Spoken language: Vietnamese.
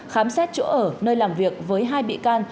khám xét chỗ ở nơi làm việc với hai bị can